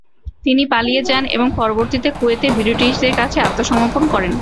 তিনি পালিয়ে যান এবং পরবর্তীতে কুয়েতে ব্রিটিশদের কাছে আত্মসমর্পণ করেন।